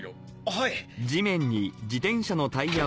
はい！